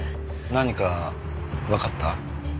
何かわかった？